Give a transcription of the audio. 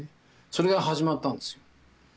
それが始まったんですよ。